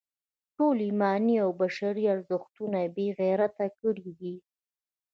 ټول ایماني او بشري ارزښتونه یې بې غیرته کړي دي.